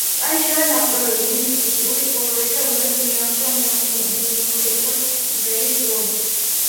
წაიშალა ნაკვალევი იმ კულტურული პროგრესისა რომელსაც მიაღწია მონღოლეთმა იმპერიის დროს.